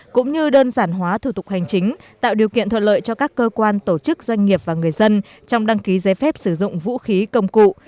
cũng như đơn giản hóa thủ tục hành chính tạo điều kiện thuận lợi cho các cơ quan tổ chức doanh nghiệp và người dân trong đăng ký giấy phép sử dụng vũ khí công cụ